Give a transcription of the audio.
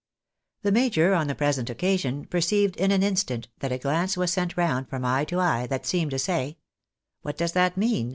The major, on the present occasion, perceived in an instant, that a glance was sent round from eye to eye, that seemed to say, " What does that mean